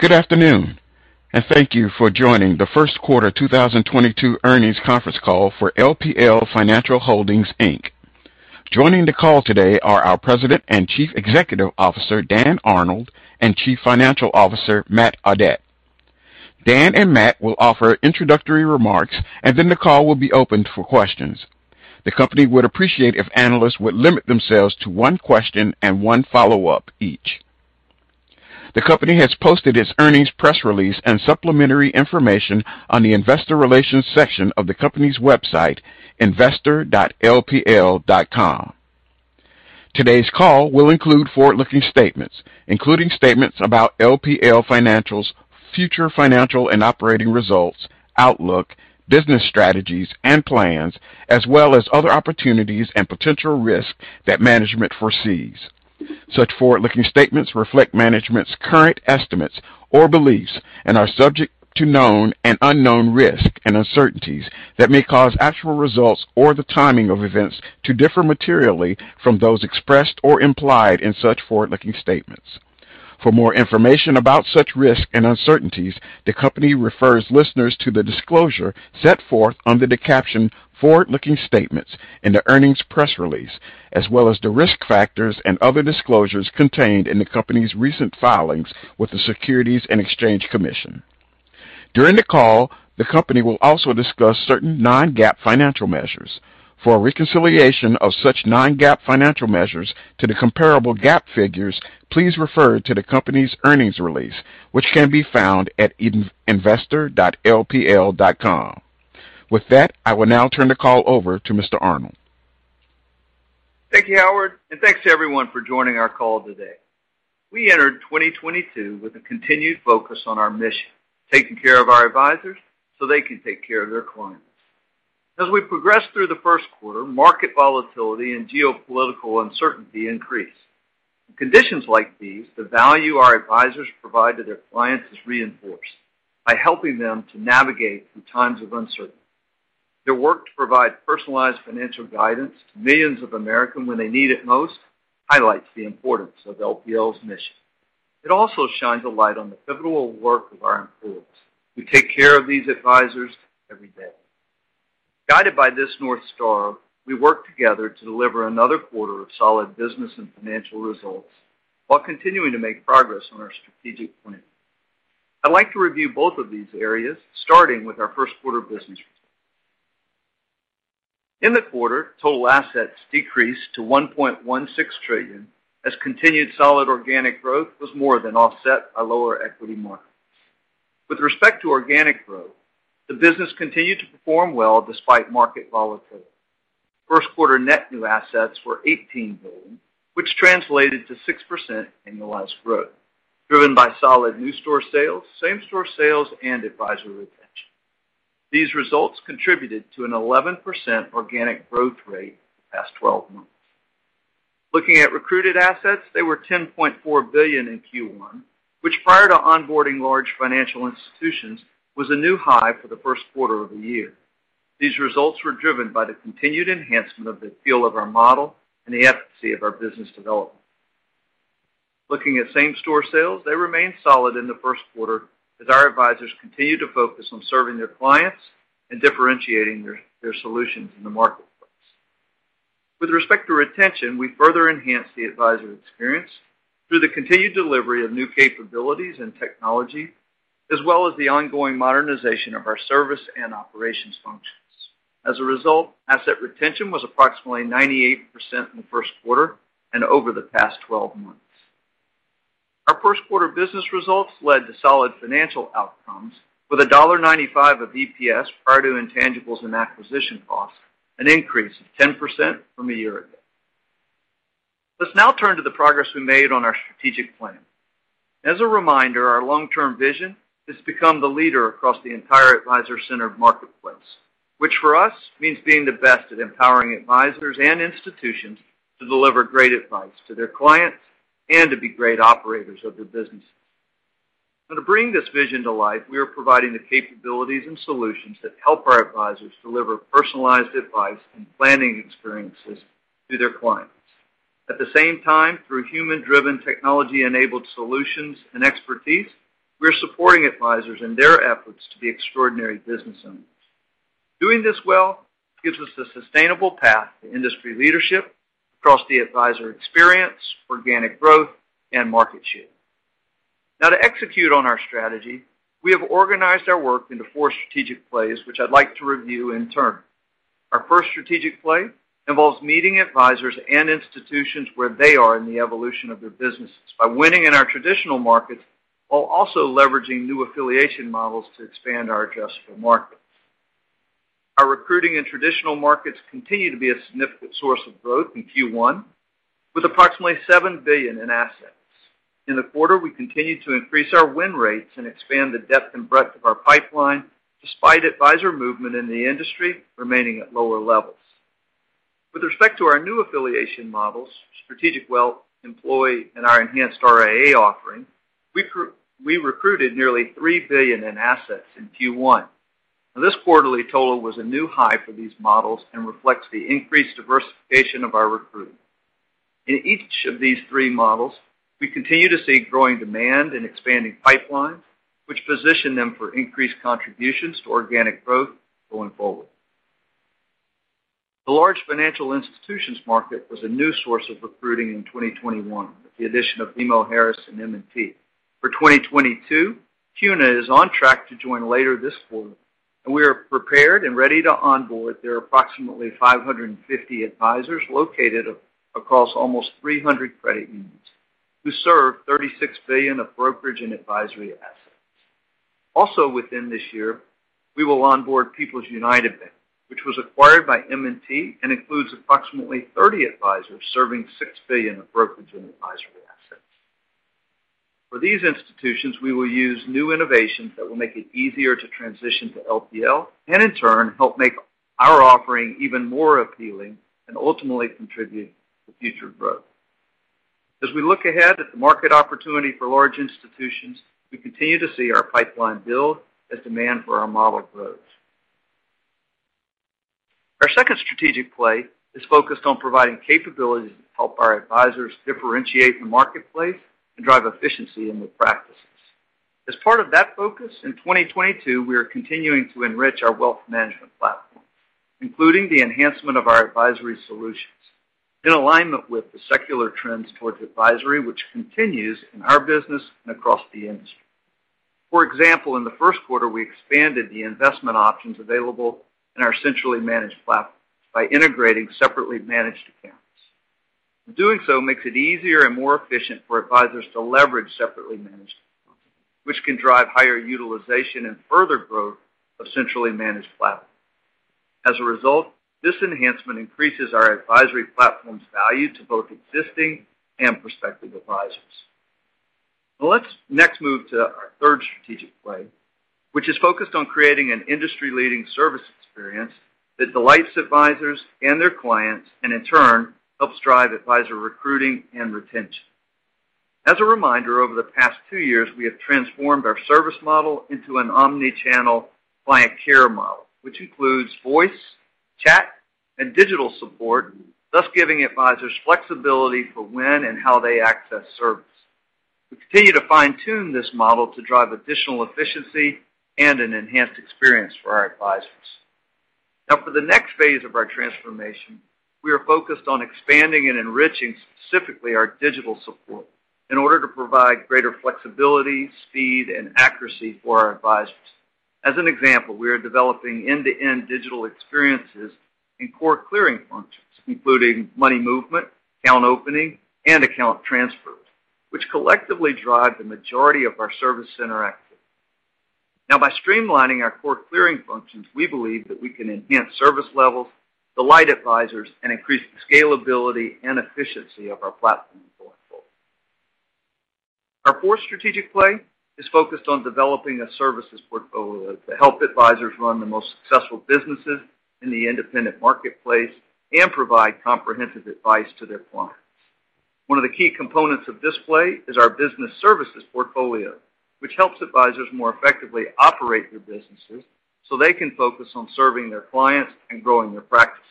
Good afternoon, and thank you for joining the first quarter 2022 earnings conference call for LPL Financial Holdings, Inc. Joining the call today are our President and Chief Executive Officer, Dan Arnold, and Chief Financial Officer, Matt Audette. Dan and Matt will offer introductory remarks, and then the call will be opened for questions. The company would appreciate if analysts would limit themselves to one question and one follow-up each. The company has posted its earnings press release and supplementary information on the investor relations section of the company's website, investor.lpl.com. Today's call will include forward-looking statements, including statements about LPL Financial's future financial and operating results, outlook, business strategies and plans, as well as other opportunities and potential risks that management foresees. Such forward-looking statements reflect management's current estimates or beliefs and are subject to known and unknown risks and uncertainties that may cause actual results or the timing of events to differ materially from those expressed or implied in such forward-looking statements. For more information about such risks and uncertainties, the company refers listeners to the disclosure set forth under the caption Forward-Looking Statements in the earnings press release, as well as the risk factors and other disclosures contained in the company's recent filings with the Securities and Exchange Commission. During the call, the company will also discuss certain non-GAAP financial measures. For a reconciliation of such non-GAAP financial measures to the comparable GAAP figures, please refer to the company's earnings release, which can be found at investor.lpl.com. With that, I will now turn the call over to Mr. Arnold. Thank you, Howard, and thanks to everyone for joining our call today. We entered 2022 with a continued focus on our mission, taking care of our advisors so they can take care of their clients. As we progressed through the first quarter, market volatility and geopolitical uncertainty increased. In conditions like these, the value our advisors provide to their clients is reinforced by helping them to navigate through times of uncertainty. Their work to provide personalized financial guidance to millions of Americans when they need it most highlights the importance of LPL's mission. It also shines a light on the pivotal work of our employees who take care of these advisors every day. Guided by this North Star, we work together to deliver another quarter of solid business and financial results while continuing to make progress on our strategic plan. I'd like to review both of these areas, starting with our first quarter business results. In the quarter, total assets decreased to $1.16 trillion, as continued solid organic growth was more than offset by lower equity markets. With respect to organic growth, the business continued to perform well despite market volatility. First quarter net new assets were $18 billion, which translated to 6% annualized growth, driven by solid new store sales, same store sales, and advisory retention. These results contributed to an 11% organic growth rate the past 12 months. Looking at recruited assets, they were $10.4 billion in Q1, which prior to onboarding large financial institutions, was a new high for the first quarter of the year. These results were driven by the continued enhancement of the feel of our model and the efficacy of our business development. Looking at same-store sales, they remained solid in the first quarter as our advisors continued to focus on serving their clients and differentiating their solutions in the marketplace. With respect to retention, we further enhanced the advisor experience through the continued delivery of new capabilities and technology, as well as the ongoing modernization of our service and operations functions. As a result, asset retention was approximately 98% in the first quarter and over the past 12 months. Our first quarter business results led to solid financial outcomes with $1.95 of EPS prior to intangibles and acquisition costs, an increase of 10% from a year ago. Let's now turn to the progress we made on our strategic plan. As a reminder, our long-term vision is to become the leader across the entire advisor-centered marketplace, which for us means being the best at empowering advisors and institutions to deliver great advice to their clients and to be great operators of their businesses. Now, to bring this vision to life, we are providing the capabilities and solutions that help our advisors deliver personalized advice and planning experiences to their clients. At the same time, through human-driven technology-enabled solutions and expertise, we're supporting advisors in their efforts to be extraordinary business owners. Doing this well gives us a sustainable path to industry leadership across the advisor experience, organic growth, and market share. Now to execute on our strategy, we have organized our work into four strategic plays, which I'd like to review in turn. Our first strategic play involves meeting advisors and institutions where they are in the evolution of their businesses by winning in our traditional markets while also leveraging new affiliation models to expand our addressable markets. Our recruiting in traditional markets continued to be a significant source of growth in Q1, with approximately $7 billion in assets. In the quarter, we continued to increase our win rates and expand the depth and breadth of our pipeline despite advisor movement in the industry remaining at lower levels. With respect to our new affiliation models, strategic wealth, employee, and our enhanced RIA offering, we recruited nearly $3 billion in assets in Q1. Now this quarterly total was a new high for these models and reflects the increased diversification of our recruiting. In each of these three models, we continue to see growing demand and expanding pipelines which position them for increased contributions to organic growth going forward. The large financial institutions market was a new source of recruiting in 2021 with the addition of BMO Harris and M&T. For 2022, CUNA is on track to join later this quarter, and we are prepared and ready to onboard their approximately 550 advisors located across almost 300 credit unions who serve $36 billion of brokerage and advisory assets. Also within this year, we will onboard People's United Bank, which was acquired by M&T and includes approximately 30 advisors serving $6 billion of brokerage and advisory assets. For these institutions, we will use new innovations that will make it easier to transition to LPL, and in turn, help make our offering even more appealing and ultimately contribute to future growth. As we look ahead at the market opportunity for large institutions, we continue to see our pipeline build as demand for our model grows. Our second strategic play is focused on providing capabilities to help our advisors differentiate the marketplace and drive efficiency in their practices. As part of that focus, in 2022, we are continuing to enrich our wealth management platform, including the enhancement of our advisory solutions in alignment with the secular trends towards advisory, which continues in our business and across the industry. For example, in the first quarter, we expanded the investment options available in our centrally managed platforms by integrating separately managed accounts. Doing so makes it easier and more efficient for advisors to leverage separately managed accounts, which can drive higher utilization and further growth of centrally managed platforms. As a result, this enhancement increases our advisory platform's value to both existing and prospective advisors. Now let's next move to our third strategic play, which is focused on creating an industry-leading service experience that delights advisors and their clients, and in turn, helps drive advisor recruiting and retention. As a reminder, over the past two years, we have transformed our service model into an omni-channel client care model, which includes voice, chat, and digital support, thus giving advisors flexibility for when and how they access service. We continue to fine-tune this model to drive additional efficiency and an enhanced experience for our advisors. Now for the next phase of our transformation, we are focused on expanding and enriching specifically our digital support in order to provide greater flexibility, speed, and accuracy for our advisors. As an example, we are developing end-to-end digital experiences in core clearing functions, including money movement, account opening, and account transfers, which collectively drive the majority of our service center activity. Now by streamlining our core clearing functions, we believe that we can enhance service levels, delight advisors, and increase the scalability and efficiency of our platform going forward. Our fourth strategic play is focused on developing a services portfolio to help advisors run the most successful businesses in the independent marketplace and provide comprehensive advice to their clients. One of the key components of this play is our business services portfolio, which helps advisors more effectively operate their businesses so they can focus on serving their clients and growing their practices.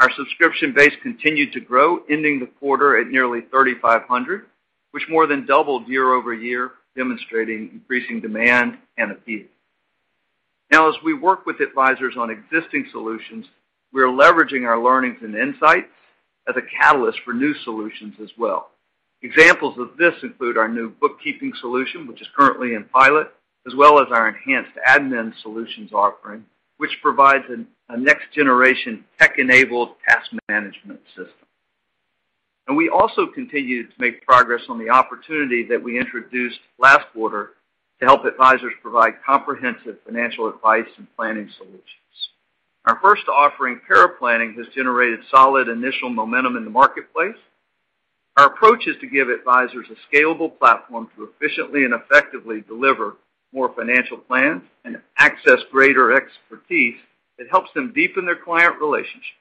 Our subscription base continued to grow, ending the quarter at nearly 3,500, which more than doubled year-over-year, demonstrating increasing demand and appeal. Now as we work with advisors on existing solutions, we are leveraging our learnings and insights as a catalyst for new solutions as well. Examples of this include our new bookkeeping solution, which is currently in pilot, as well as our enhanced admin solutions offering, which provides a next generation tech-enabled task management system. We also continue to make progress on the opportunity that we introduced last quarter to help advisors provide comprehensive financial advice and planning solutions. Our first offering, paraplanning, has generated solid initial momentum in the marketplace. Our approach is to give advisors a scalable platform to efficiently and effectively deliver more financial plans and access greater expertise that helps them deepen their client relationships.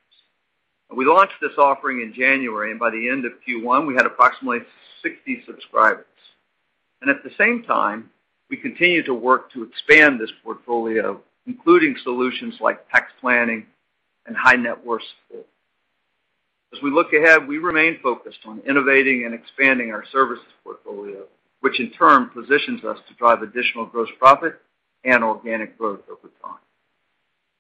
We launched this offering in January, and by the end of Q1, we had approximately 60 subscribers. At the same time, we continue to work to expand this portfolio, including solutions like tax planning and high net worth support. As we look ahead, we remain focused on innovating and expanding our services portfolio, which in turn positions us to drive additional gross profit and organic growth over time.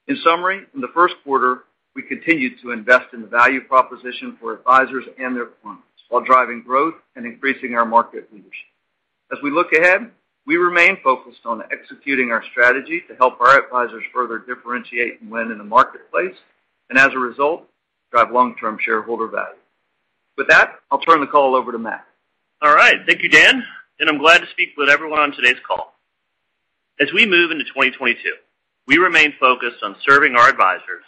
In summary, in the first quarter, we continued to invest in the value proposition for advisors and their clients while driving growth and increasing our market leadership. As we look ahead, we remain focused on executing our strategy to help our advisors further differentiate and win in the marketplace, and as a result, drive long-term shareholder value. With that, I'll turn the call over to Matt. All right. Thank you, Dan, and I'm glad to speak with everyone on today's call. As we move into 2022, we remain focused on serving our advisors,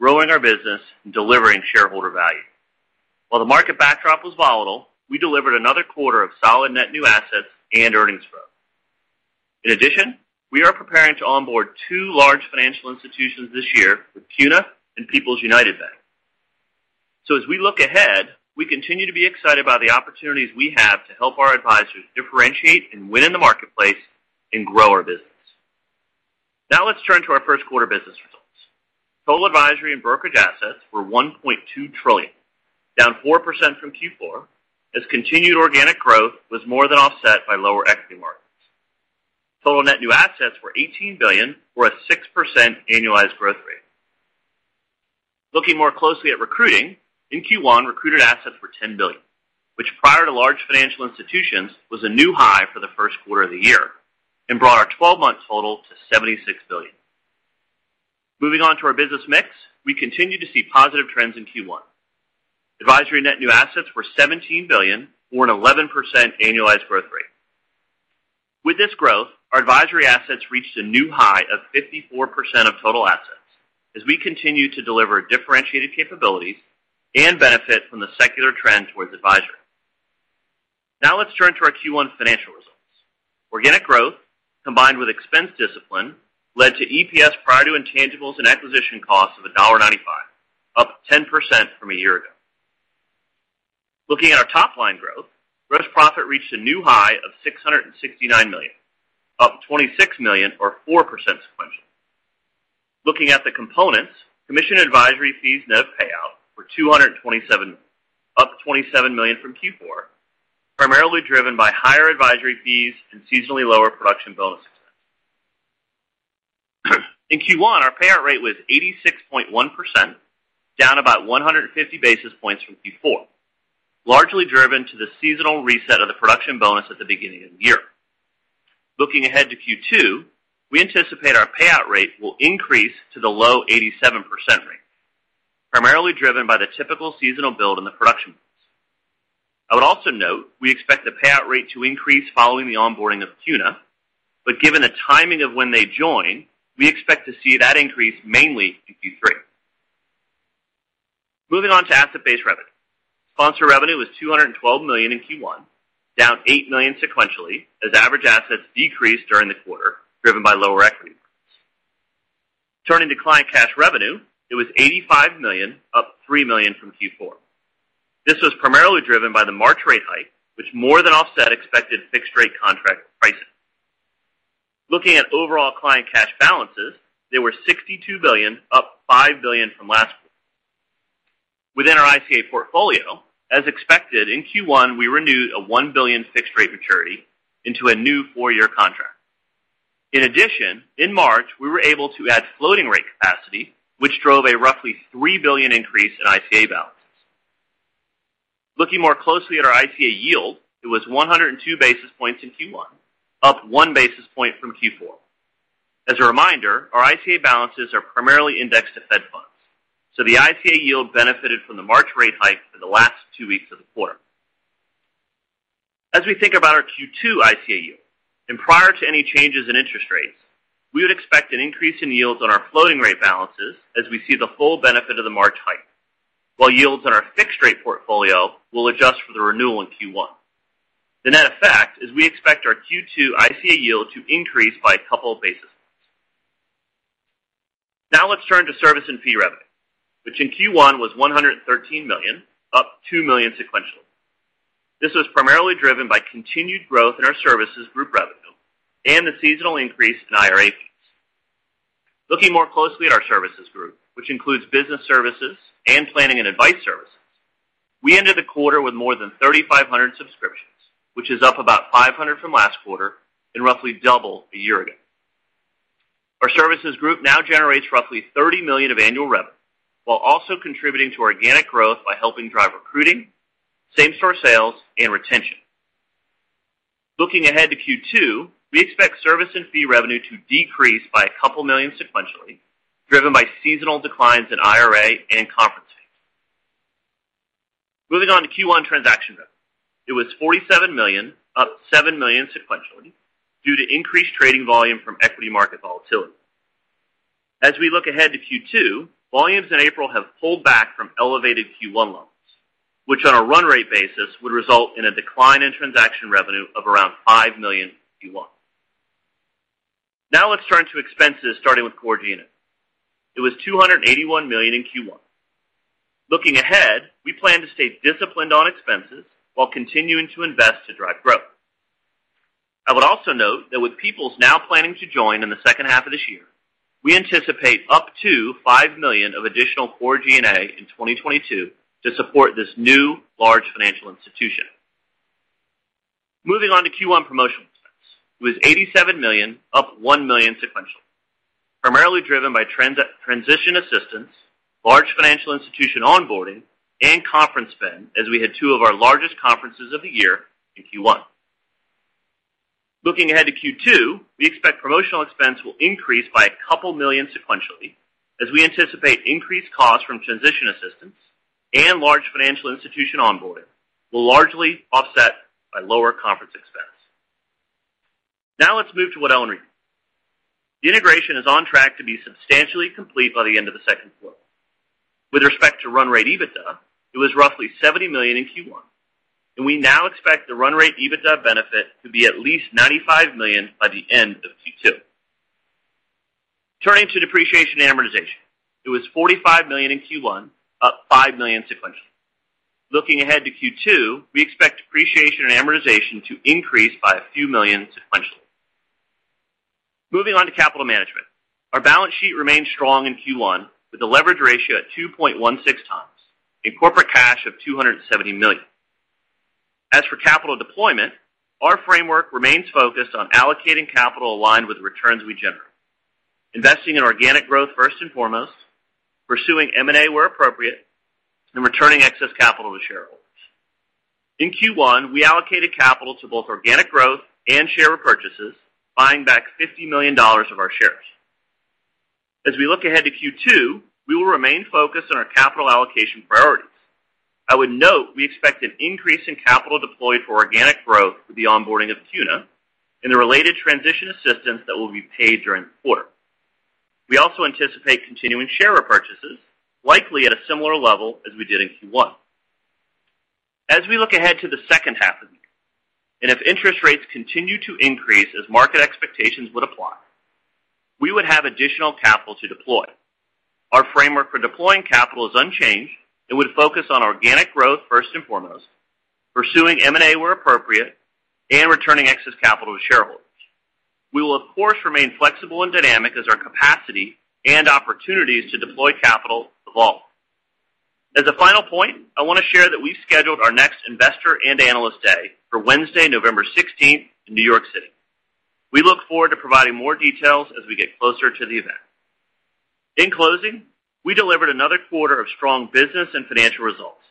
growing our business, and delivering shareholder value. While the market backdrop was volatile, we delivered another quarter of solid net new assets and earnings growth. In addition, we are preparing to onboard two large financial institutions this year with CUNA and People's United Bank. As we look ahead, we continue to be excited about the opportunities we have to help our advisors differentiate and win in the marketplace and grow our business. Now let's turn to our first quarter business results. Total advisory and brokerage assets were $1.2 trillion, down 4% from Q4, as continued organic growth was more than offset by lower equity markets. Total net new assets were $18 billion, or a 6% annualized growth rate. Looking more closely at recruiting, in Q1 recruited assets were $10 billion, which prior to large financial institutions, was a new high for the first quarter of the year and brought our twelve-month total to $76 billion. Moving on to our business mix, we continue to see positive trends in Q1. Advisory net new assets were $17 billion or an 11% annualized growth rate. With this growth, our advisory assets reached a new high of 54% of total assets as we continue to deliver differentiated capabilities and benefit from the secular trend towards advisory. Now let's turn to our Q1 financial results. Organic growth, combined with expense discipline led to EPS prior to intangibles and acquisition costs of $1.95, up 10% from a year ago. Looking at our top line growth, gross profit reached a new high of $669 million, up $26 million or 4% sequentially. Looking at the components, commission advisory fees net of payout were $227 million, up $27 million from Q4, primarily driven by higher advisory fees and seasonally lower production bonus expense. In Q1, our payout rate was 86.1%, down about 150 basis points from Q4, largely driven to the seasonal reset of the production bonus at the beginning of the year. Looking ahead to Q2, we anticipate our payout rate will increase to the low 87% rate, primarily driven by the typical seasonal build in the production base. I would also note we expect the payout rate to increase following the onboarding of CUNA, but given the timing of when they join, we expect to see that increase mainly in Q3. Moving on to asset-based revenue. Sponsor revenue was $212 million in Q1, down $8 million sequentially as average assets decreased during the quarter, driven by lower equity. Turning to client cash revenue, it was $85 million, up $3 million from Q4. This was primarily driven by the March rate hike, which more than offset expected fixed rate contract repricing. Looking at overall client cash balances, they were $62 billion, up $5 billion from last quarter. Within our ICA portfolio, as expected, in Q1, we renewed a $1 billion fixed-rate maturity into a new four-year contract. In addition, in March, we were able to add floating rate capacity, which drove a roughly $3 billion increase in ICA balances. Looking more closely at our ICA yield, it was 102 basis points in Q1, up 1 basis point from Q4. As a reminder, our ICA balances are primarily indexed to Fed funds, so the ICA yield benefited from the March rate hike for the last two weeks of the quarter. As we think about our Q2 ICA yield and prior to any changes in interest rates, we would expect an increase in yields on our floating rate balances as we see the full benefit of the March hike. While yields on our fixed rate portfolio will adjust for the renewal in Q1. The net effect is we expect our Q2 ICA yield to increase by a couple of basis points. Now let's turn to service and fee revenue, which in Q1 was $113 million, up $2 million sequentially. This was primarily driven by continued growth in our services group revenue and the seasonal increase in IRA fees. Looking more closely at our services group, which includes business services and planning and advice services, we ended the quarter with more than 3,500 subscriptions, which is up about 500 from last quarter and roughly double a year ago. Our services group now generates roughly $30 million of annual revenue, while also contributing to organic growth by helping drive recruiting, same-store sales and retention. Looking ahead to Q2, we expect service and fee revenue to decrease by $2 million sequentially, driven by seasonal declines in IRA and conference fees. Moving on to Q1 transaction revenue. It was $47 million, up $7 million sequentially due to increased trading volume from equity market volatility. As we look ahead to Q2, volumes in April have pulled back from elevated Q1 levels, which on a run rate basis would result in a decline in transaction revenue of around $5 million in Q1. Now let's turn to expenses, starting with core G&A. It was $281 million in Q1. Looking ahead, we plan to stay disciplined on expenses while continuing to invest to drive growth. I would also note that with People's United Bank now planning to join in the second half of this year, we anticipate up to $5 million of additional core G&A in 2022 to support this new large financial institution. Moving on to Q1 promotional expense. It was $87 million, up $1 million sequentially, primarily driven by transition assistance, large financial institution onboarding and conference spend as we had two of our largest conferences of the year in Q1. Looking ahead to Q2, we expect promotional expense will increase by $2 million sequentially, as we anticipate increased costs from transition assistance and large financial institution onboarding will largely offset by lower conference expense. Now let's move to Waddell & Reed. The integration is on track to be substantially complete by the end of the second quarter. With respect to run rate EBITDA, it was roughly $70 million in Q1, and we now expect the run rate EBITDA benefit to be at least $95 million by the end of Q2. Turning to depreciation and amortization. It was $45 million in Q1, up $5 million sequentially. Looking ahead to Q2, we expect depreciation and amortization to increase by a few million sequentially. Moving on to capital management. Our balance sheet remains strong in Q1 with a leverage ratio at 2.16 times and corporate cash of $270 million. As for capital deployment, our framework remains focused on allocating capital aligned with the returns we generate. Investing in organic growth first and foremost, pursuing M&A where appropriate, and returning excess capital to shareholders. In Q1, we allocated capital to both organic growth and share repurchases, buying back $50 million of our shares. As we look ahead to Q2, we will remain focused on our capital allocation priorities. I would note we expect an increase in capital deployed for organic growth with the onboarding of CUNA and the related transition assistance that will be paid during the quarter. We also anticipate continuing share repurchases, likely at a similar level as we did in Q1. As we look ahead to the second half of the year, and if interest rates continue to increase as market expectations would apply, we would have additional capital to deploy. Our framework for deploying capital is unchanged and would focus on organic growth first and foremost, pursuing M&A where appropriate, and returning excess capital to shareholders. We will of course remain flexible and dynamic as our capacity and opportunities to deploy capital evolve. As a final point, I want to share that we scheduled our next investor and analyst day for Wednesday, November 16 in New York City. We look forward to providing more details as we get closer to the event. In closing, we delivered another quarter of strong business and financial results.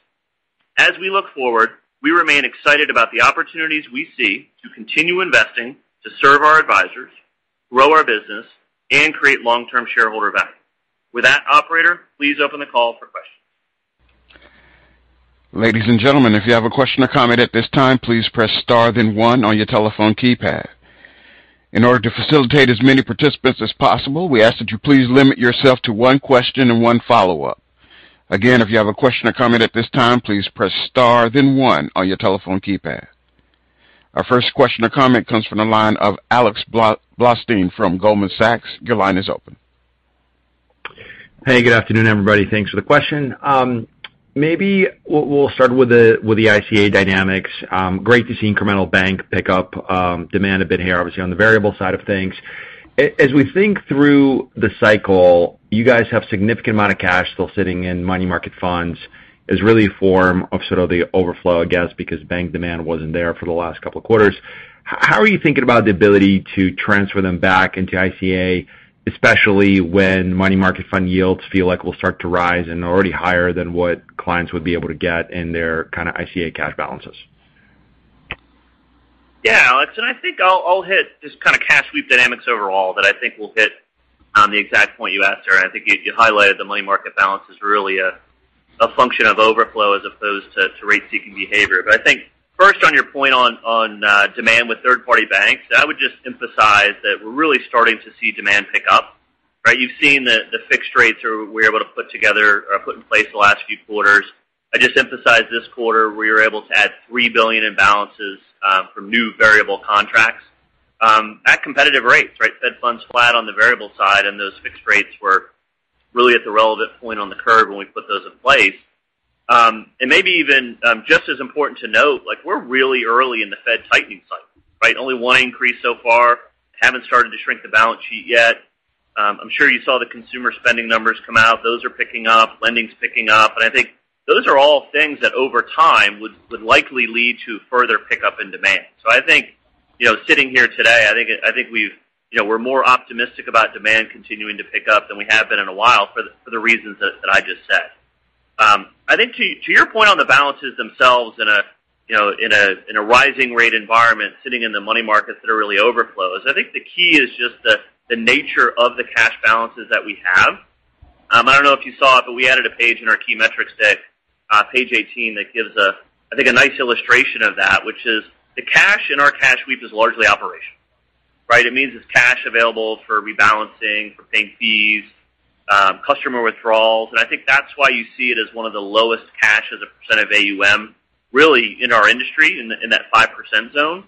As we look forward, we remain excited about the opportunities we see to continue investing to serve our advisors, grow our business, and create long-term shareholder value. With that, operator, please open the call for questions. Ladies and gentlemen, if you have a question or comment at this time, please press star then one on your telephone keypad. In order to facilitate as many participants as possible, we ask that you please limit yourself to one question and one follow-up. Again, if you have a question or comment at this time, please press star then one on your telephone keypad. Our first question or comment comes from the line of Alex Blostein from Goldman Sachs. Your line is open. Hey, good afternoon, everybody. Thanks for the question. Maybe we'll start with the ICA dynamics. Great to see incremental bank pick up demand a bit here, obviously on the variable side of things. As we think through the cycle, you guys have significant amount of cash still sitting in money market funds. It's really a form of sort of the overflow, I guess, because bank demand wasn't there for the last couple of quarters. How are you thinking about the ability to transfer them back into ICA, especially when money market fund yields feel like will start to rise and are already higher than what clients would be able to get in their kind of ICA cash balances? Yeah, Alex. I think I'll hit just kind of cash sweep dynamics overall that I think will hit on the exact point you asked there. I think you highlighted the money market balance is really a function of overflow as opposed to rate-seeking behavior. I think first on your point on demand with third-party banks, I would just emphasize that we're really starting to see demand pick up, right? You've seen the fixed rates we were able to put together or put in place the last few quarters. I just emphasize this quarter, we were able to add $3 billion in balances from new variable contracts at competitive rates, right? Fed funds flat on the variable side, and those fixed rates were really at the relevant point on the curve when we put those in place. Maybe even just as important to note, like we're really early in the Fed tightening cycle, right? Only one increase so far. Haven't started to shrink the balance sheet yet. I'm sure you saw the consumer spending numbers come out. Those are picking up, lending's picking up. I think those are all things that over time would likely lead to further pickup in demand. I think, you know, sitting here today, I think we've, you know, we're more optimistic about demand continuing to pick up than we have been in a while for the reasons that I just said. I think to your point on the balances themselves in a you know rising rate environment sitting in the money markets that are really overflows, I think the key is just the nature of the cash balances that we have. I don't know if you saw it, but we added a page in our key metrics deck, page 18, that gives, I think, a nice illustration of that, which is the cash in our cash sweep is largely operational, right? It means it's cash available for rebalancing, for paying fees, customer withdrawals. I think that's why you see it as one of the lowest cash as a percent of AUM really in our industry in that 5% zone.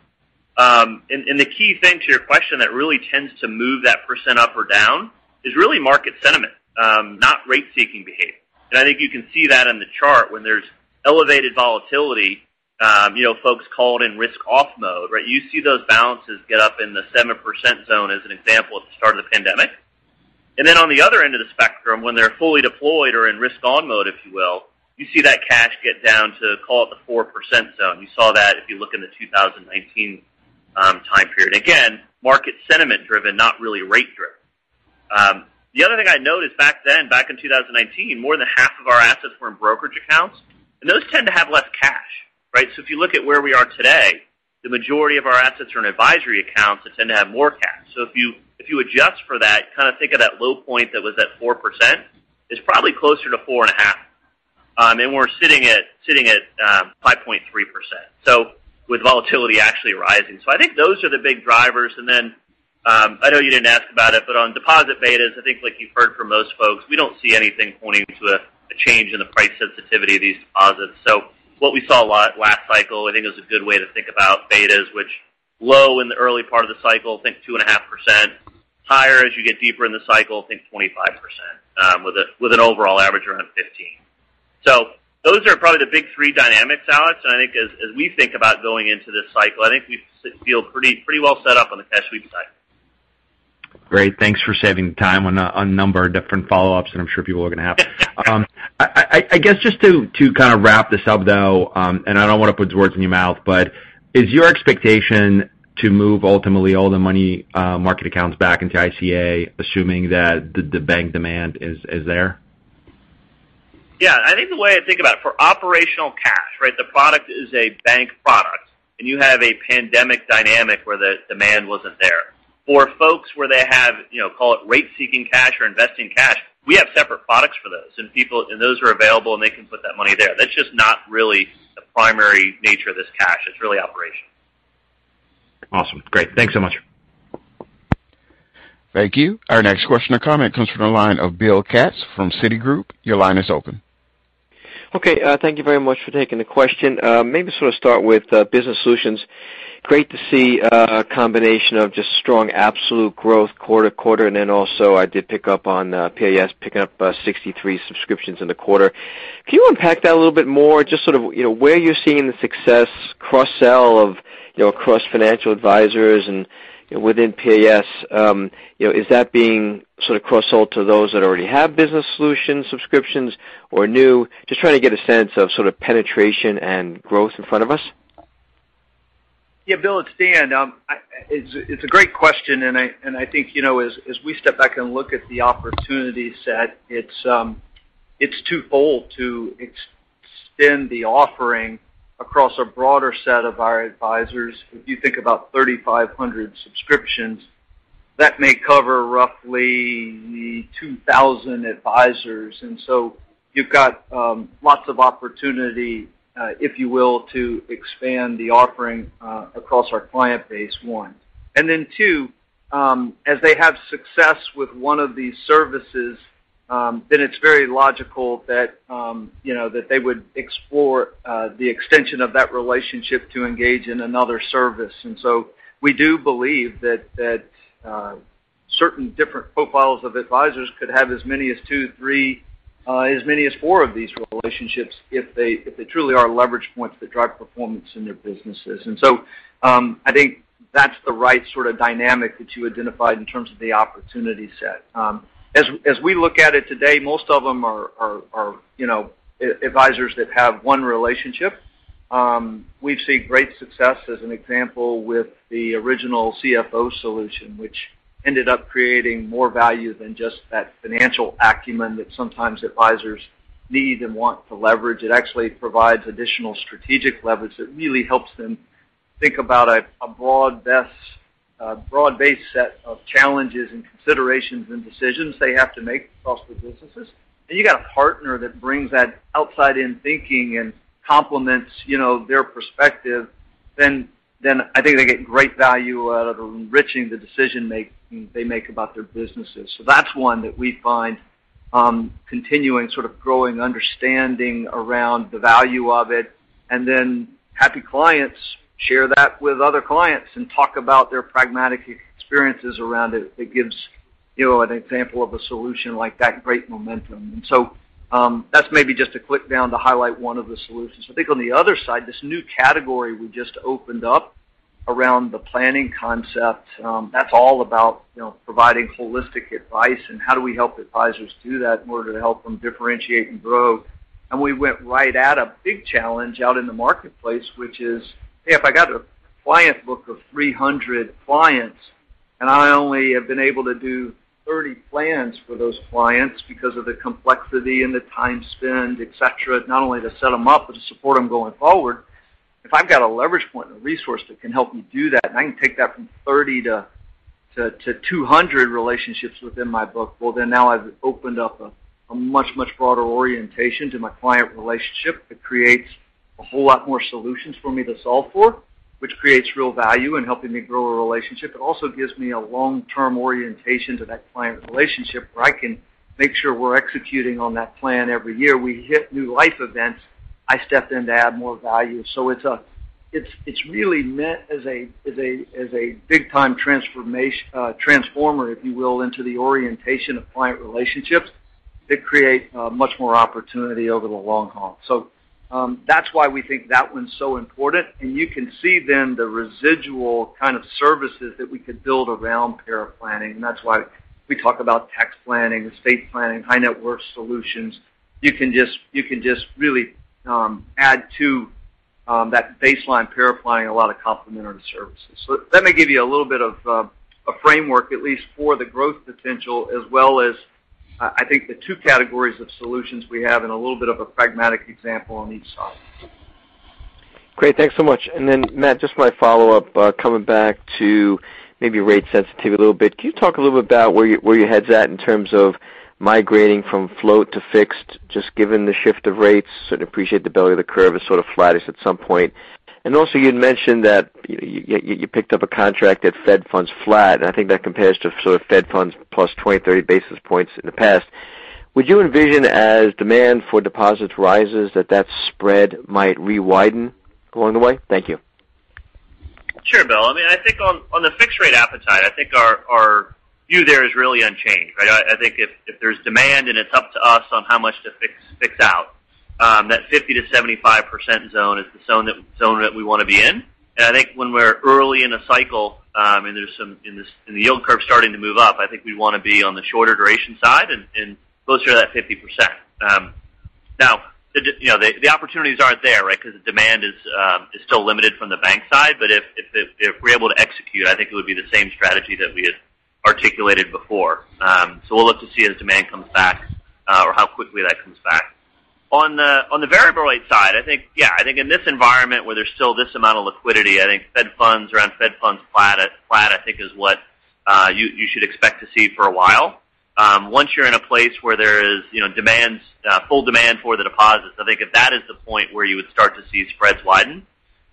The key thing to your question that really tends to move that percent up or down is really market sentiment, not rate-seeking behavior. I think you can see that in the chart when there's elevated volatility, you know, folks called in risk off mode, right? You see those balances get up in the 7% zone as an example at the start of the pandemic. On the other end of the spectrum, when they're fully deployed or in risk on mode, if you will, you see that cash get down to call it the 4% zone. You saw that if you look in the 2019 time period. Again, market sentiment driven, not really rate driven. The other thing I'd note is back then, back in 2019, more than half of our assets were in brokerage accounts, and those tend to have less cash, right? If you look at where we are today, the majority of our assets are in advisory accounts that tend to have more cash. If you adjust for that, kind of think of that low point that was at 4% is probably closer to 4.5%. We're sitting at 5.3%, so with volatility actually rising. I think those are the big drivers. Then, I know you didn't ask about it, but on deposit betas, I think like you've heard from most folks, we don't see anything pointing to a change in the price sensitivity of these deposits. What we saw last cycle, I think, is a good way to think about betas, which low in the early part of the cycle, I think 2.5%. Higher as you get deeper in the cycle, I think 25%, with an overall average around 15%. Those are probably the big three dynamics, Alex. I think as we think about going into this cycle, I think we feel pretty well set up on the cash sweep side. Great. Thanks for saving time on a number of different follow-ups that I'm sure people are gonna have. I guess just to kind of wrap this up, though. I don't wanna put words in your mouth, but is your expectation to move ultimately all the money market accounts back into ICA, assuming that the bank demand is there? Yeah. I think the way I think about it, for operational cash, right? The product is a bank product, and you have a pandemic dynamic where the demand wasn't there. For folks where they have, you know, call it rate-seeking cash or investing cash, we have separate products for those. And those are available, and they can put that money there. That's just not really the primary nature of this cash. It's really operational. Awesome. Great. Thanks so much. Thank you. Our next question or comment comes from the line of Bill Katz from Citigroup. Your line is open. Okay. Thank you very much for taking the question. Maybe sort of start with business solutions. Great to see a combination of just strong absolute growth quarter-over-quarter, and then also I did pick up on PAS picking up 63 subscriptions in the quarter. Can you unpack that a little bit more? Just sort of, you know, where you're seeing the successful cross-sell of, you know, across financial advisors and, you know, within PAS. You know, is that being sort of cross-sold to those that already have business solution subscriptions or new? Just trying to get a sense of sort of penetration and growth in front of us. Yeah. Bill, it's Dan. It's a great question, and I think, you know, as we step back and look at the opportunity set, it's too bold to extend the offering across a broader set of our advisors. If you think about 3,500 subscriptions, that may cover roughly 2,000 advisors. You've got lots of opportunity, if you will, to expand the offering across our client base, one. Then two, as they have success with one of these services, then it's very logical that, you know, that they would explore the extension of that relationship to engage in another service. We do believe that certain different profiles of advisors could have as many as two, three, as many as four of these relationships if they truly are leverage points that drive performance in their businesses. I think that's the right sort of dynamic that you identified in terms of the opportunity set. As we look at it today, most of them are, you know, advisors that have one relationship. We've seen great success, as an example, with the original CFO Solutions, which ended up creating more value than just that financial acumen that sometimes advisors need and want to leverage. It actually provides additional strategic leverage that really helps them think about a broad-based set of challenges and considerations and decisions they have to make across their businesses. You got a partner that brings that outside-in thinking and complements, you know, their perspective, then I think they get great value out of enriching the decisions they make about their businesses. That's one that we find continuing sort of growing understanding around the value of it. Happy clients share that with other clients and talk about their pragmatic experiences around it. It gives, you know, an example of a solution like that, great momentum. That's maybe just a quick rundown to highlight one of the solutions. I think on the other side, this new category we just opened up around the planning concept, that's all about, you know, providing holistic advice and how do we help advisors do that in order to help them differentiate and grow. We went right at a big challenge out in the marketplace, which is, hey, if I got a client book of 300 clients, and I only have been able to do 30 plans for those clients because of the complexity and the time spent, et cetera, not only to set them up, but to support them going forward. If I've got a leverage point and a resource that can help me do that, and I can take that from 30 relationships to 200 relationships within my book, well, then now I've opened up a much, much broader orientation to my client relationship that creates a whole lot more solutions for me to solve for, which creates real value in helping me grow a relationship. It also gives me a long-term orientation to that client relationship where I can make sure we're executing on that plan every year. We hit new life events, I step in to add more value. It's really meant as a big time transformer, if you will, into the orientation of client relationships that create much more opportunity over the long haul. That's why we think that one's so important. You can see then the residual kind of services that we could build around paraplanning. That's why we talk about tax planning, estate planning, high net worth solutions. You can just really add to that baseline paraplanning a lot of complementary services. That may give you a little bit of a framework, at least for the growth potential as well as I think the two categories of solutions we have and a little bit of a pragmatic example on each side. Great. Thanks so much. Matt, just my follow-up, coming back to maybe rate sensitivity a little bit. Can you talk a little bit about where your head's at in terms of migrating from float to fixed, just given the shift of rates? I sort of appreciate the belly of the curve is sort of flattest at some point. Also you'd mentioned that you picked up a contract at Fed Funds Flat, and I think that compares to sort of Fed Funds plus 20, 30 basis points in the past. Would you envision as demand for deposits rises that spread might re-widen along the way? Thank you. Sure, Bill. I mean, I think on the fixed rate appetite, I think our view there is really unchanged, right? I think if there's demand and it's up to us on how much to fix out, that 50% to 75% zone is the zone that we wanna be in. I think when we're early in a cycle, and the yield curve starting to move up, I think we wanna be on the shorter duration side and closer to that 50%. Now, you know, the opportunities aren't there, right? Because the demand is still limited from the bank side. If we're able to execute, I think it would be the same strategy that we had articulated before. We'll look to see as demand comes back, or how quickly that comes back. On the variable rate side, I think yeah, I think in this environment where there's still this amount of liquidity, I think Fed funds around flat is what you should expect to see for a while. Once you're in a place where there is you know full demand for the deposits, I think that is the point where you would start to see spreads widen.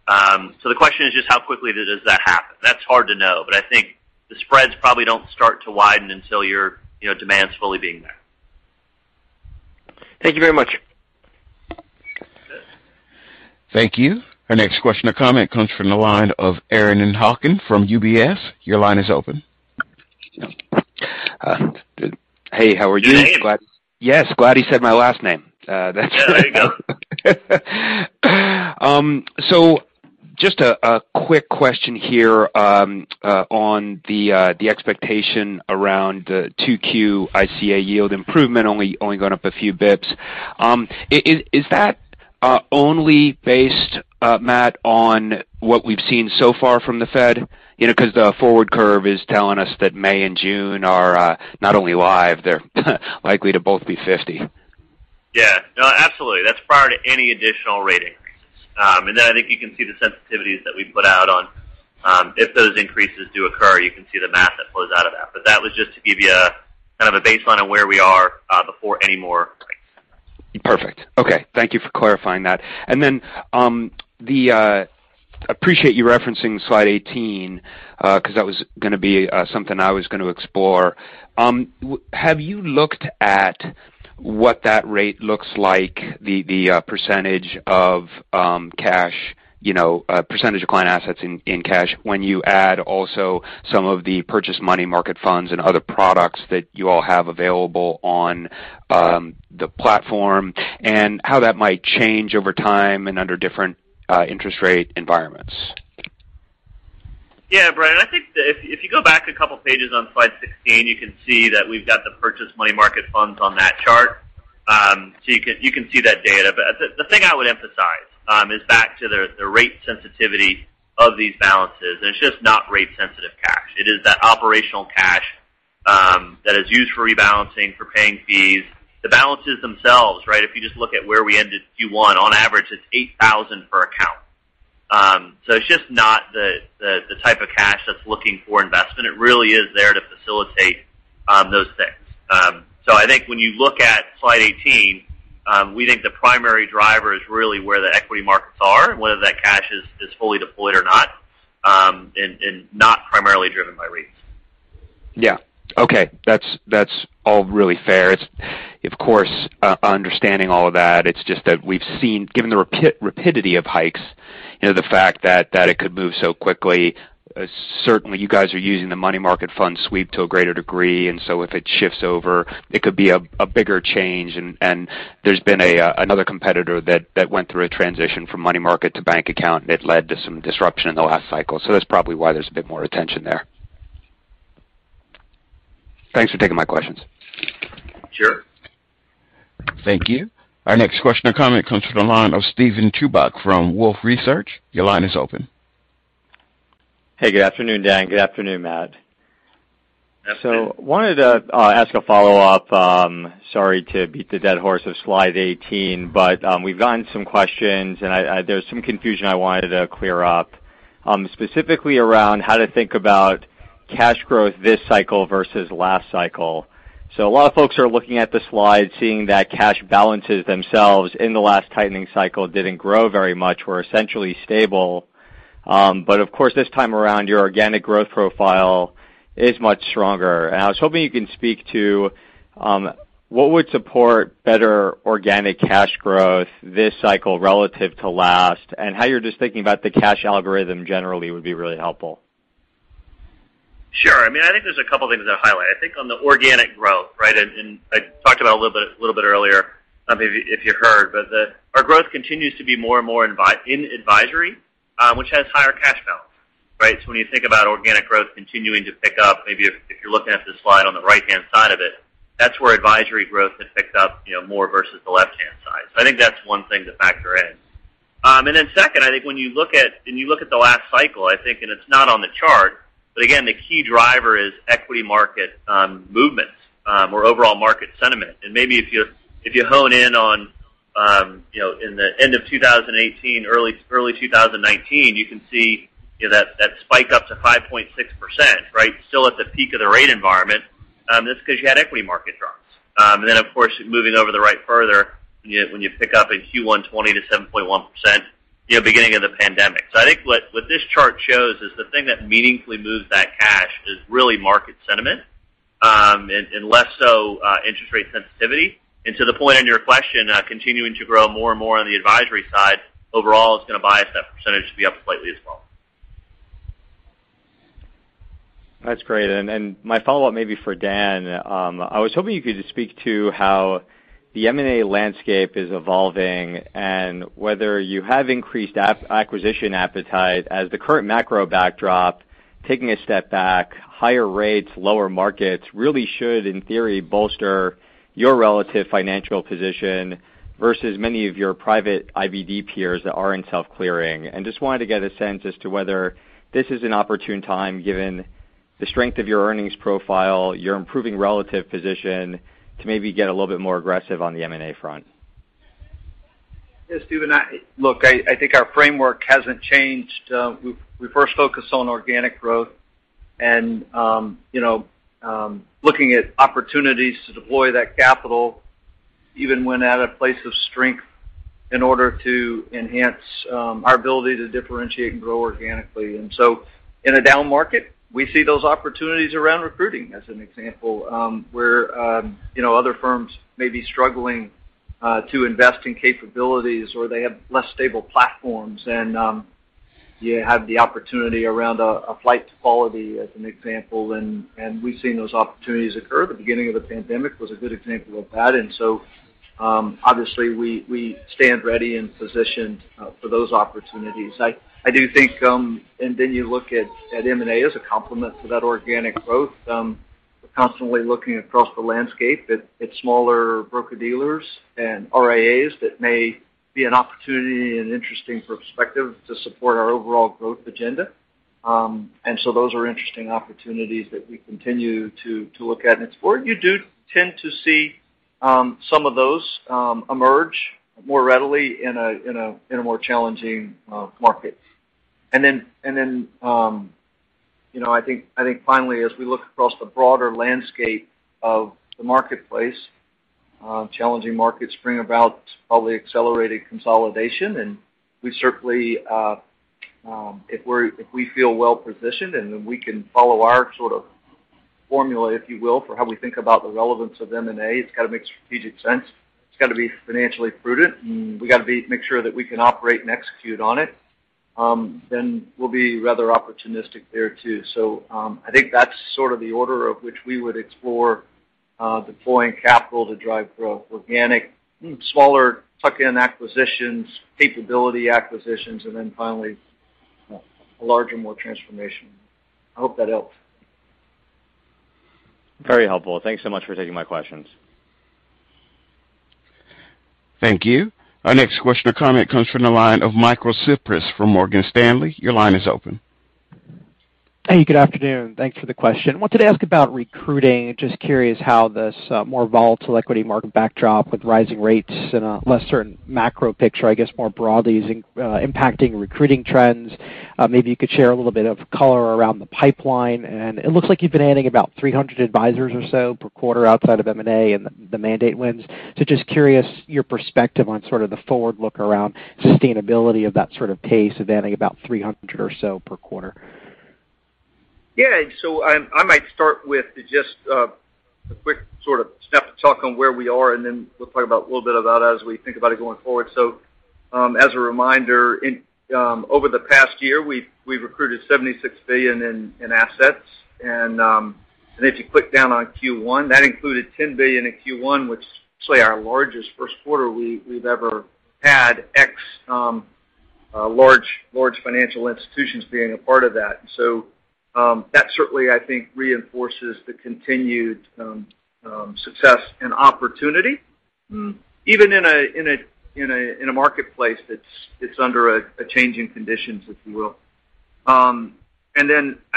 The question is just how quickly does that happen? That's hard to know, but I think the spreads probably don't start to widen until you're you know demand's fully being there. Thank you very much. Thank you. Our next question or comment comes from the line of Brennan Hawken from UBS. Your line is open. Hey, how are you? Good, Brennan Hawken. Yes, glad you said my last name. That's There you go. Just a quick question here on the expectation around the 2Q ICA yield improvement only going up a few basis points. Is that only based, Matt, on what we've seen so far from the Fed? You know, 'cause the forward curve is telling us that May and June are not only live, they're likely to both be 50. Yeah. No, absolutely. That's prior to any additional rate increases. I think you can see the sensitivities that we put out on, if those increases do occur, you can see the math that flows out of that. That was just to give you a kind of a baseline on where we are, before any more rate increases. Perfect. Okay. Thank you for clarifying that. Then, appreciate you referencing slide 18, 'cause that was gonna be something I was gonna explore. Have you looked at what that rate looks like, the percentage of cash, you know, percentage of client assets in cash when you add also some of the purchase money market funds and other products that you all have available on the platform, and how that might change over time and under different interest rate environments? Yeah, Brian. I think if you go back a couple pages on slide 16, you can see that we've got the purchase money market funds on that chart. You can see that data. The thing I would emphasize is back to the rate sensitivity of these balances, and it's just not rate sensitive cash. It is that operational cash that is used for rebalancing, for paying fees. The balances themselves, right? If you just look at where we ended Q1, on average it's 8,000 per account. It's just not the type of cash that's looking for investment. It really is there to facilitate those things. I think when you look at slide 18, we think the primary driver is really where the equity markets are and whether that cash is fully deployed or not, and not primarily driven by rates. Yeah. Okay. That's all really fair. It's, of course, understanding all of that. It's just that we've seen, given the rapidity of hikes, you know, the fact that it could move so quickly. Certainly, you guys are using the money market fund sweep to a greater degree, and so if it shifts over, it could be a bigger change. There's been another competitor that went through a transition from money market to bank account, and it led to some disruption in the last cycle. That's probably why there's a bit more attention there. Thanks for taking my questions. Sure. Thank you. Our next question or comment comes from the line of Steven Chubak from Wolfe Research. Your line is open. Hey, good afternoon, Dan. Good afternoon, Matt. Afternoon. Wanted to ask a follow-up. Sorry to beat the dead horse of slide 18, but we've gotten some questions, and there's some confusion I wanted to clear up, specifically around how to think about cash growth this cycle versus last cycle. A lot of folks are looking at the slide, seeing that cash balances themselves in the last tightening cycle didn't grow very much, were essentially stable. Of course, this time around, your organic growth profile is much stronger. I was hoping you can speak to what would support better organic cash growth this cycle relative to last, and how you're just thinking about the cash algorithm generally would be really helpful. Sure. I mean, I think there's a couple things I'd highlight. I think on the organic growth, right, and I talked about a little bit earlier. I don't know if you heard, but our growth continues to be more and more in advisory, which has higher cash balance, right? When you think about organic growth continuing to pick up, maybe if you're looking at the slide on the right-hand side of it, that's where advisory growth has picked up, you know, more versus the left-hand side. I think that's one thing to factor in. Second, I think when you look at the last cycle, I think, and it's not on the chart, but again, the key driver is equity market movements or overall market sentiment. Maybe if you hone in on, you know, in the end of 2018, early 2019, you can see, you know, that spike up to 5.6%, right? Still at the peak of the rate environment, that's 'cause you had equity market drops. Then of course, moving over to the right further, when you pick up in Q1 2020 to 7.1%, you know, beginning of the pandemic. I think what this chart shows is the thing that meaningfully moves that cash is really market sentiment, and less so, interest rate sensitivity. To the point in your question, continuing to grow more and more on the advisory side overall is gonna bias that percentage to be up slightly as well. That's great. My follow-up may be for Dan. I was hoping you could just speak to how the M&A landscape is evolving and whether you have increased acquisition appetite as the current macro backdrop, taking a step back, higher rates, lower markets, really should, in theory, bolster your relative financial position versus many of your private IBD peers that are in self-clearing. Just wanted to get a sense as to whether this is an opportune time, given the strength of your earnings profile, your improving relative position to maybe get a little bit more aggressive on the M&A front. Yes, Steven. Look, I think our framework hasn't changed. We first focus on organic growth and, you know, looking at opportunities to deploy that capital even when at a place of strength in order to enhance our ability to differentiate and grow organically. In a down market, we see those opportunities around recruiting as an example, where, you know, other firms may be struggling to invest in capabilities or they have less stable platforms and you have the opportunity around a flight to quality as an example. We've seen those opportunities occur. The beginning of the pandemic was a good example of that. Obviously, we stand ready and positioned for those opportunities. I do think and then you look at M&A as a complement to that organic growth. We're constantly looking across the landscape at smaller broker-dealers and RIAs that may be an opportunity and interesting perspective to support our overall growth agenda. Those are interesting opportunities that we continue to look at. It's where you do tend to see some of those emerge more readily in a more challenging market. You know, I think finally, as we look across the broader landscape of the marketplace, challenging markets bring about probably accelerated consolidation. We certainly, if we feel well positioned, and then we can follow our sort of formula, if you will, for how we think about the relevance of M&A, it's got to make strategic sense. It's got to be financially prudent, and we got to make sure that we can operate and execute on it. We'll be rather opportunistic there too. I think that's sort of the order in which we would explore deploying capital to drive organic growth, smaller tuck-in acquisitions, capability acquisitions, and then finally, a larger, more transformational. I hope that helped. Very helpful. Thanks so much for taking my questions. Thank you. Our next question or comment comes from the line of Michael Cyprys from Morgan Stanley. Your line is open. Hey, good afternoon. Thanks for the question. Wanted to ask about recruiting. Just curious how this more volatile equity market backdrop with rising rates and a less certain macro picture, I guess, more broadly is impacting recruiting trends. Maybe you could share a little bit of color around the pipeline. It looks like you've been adding about 300 advisors or so per quarter outside of M&A and the mandate wins. Just curious your perspective on sort of the forward look around sustainability of that sort of pace of adding about 300 or so per quarter. Yeah. I might start with just a quick sort of snapshot on where we are, and then we'll talk a little bit about, as we think about it going forward. As a reminder, over the past year, we've recruited $76 billion in assets. If you drill down on Q1, that included $10 billion in Q1, which is our largest first quarter we've ever had excluding large financial institutions being a part of that. That certainly, I think, reinforces the continued success and opportunity even in a marketplace that's under changing conditions, if you will. I